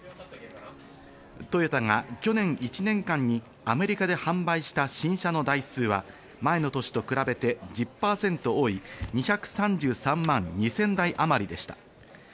トヨタが去年１年間にアメリカで販売した新車の台数は、前の年と比べて１０％多い２３３万２０００台あまりでした。